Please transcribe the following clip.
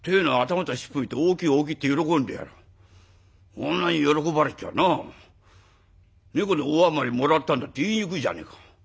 こんなに喜ばれちゃな猫のおあまりもらったんだって言いにくいじゃねえか。